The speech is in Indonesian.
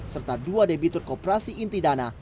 serta dua debitur kooperasi inti dana